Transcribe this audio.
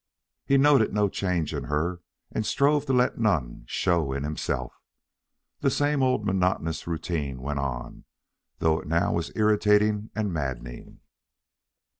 He noted no change in her, and strove to let none show in himself. The same old monotonous routine went on, though now it was irritating and maddening.